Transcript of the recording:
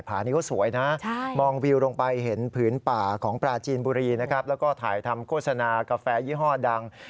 านี้เขาสวยนะมองวิวลงไปเห็นผืนป่าของปลาจีนบุรีนะครับแล้วก็ถ่ายทำโฆษณากาแฟยี่ห้อดัง